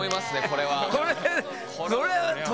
これは。